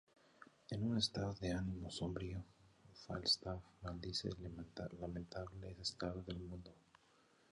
En un estado de ánimo sombrío, Falstaff maldice el lamentable estado del mundo.